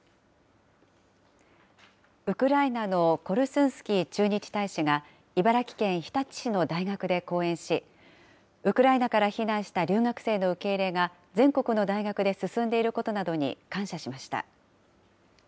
ウクライナのコルスンスキー駐日大使が、茨城県日立市の大学で講演し、ウクライナから避難した留学生の受け入れが全国の大学で進んでいることなどに感謝しました。